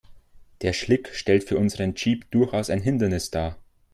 Der Schlick stellt für unseren Jeep durchaus ein Hindernis dar.